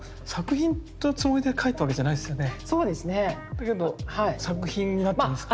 だけど作品になってるんですか？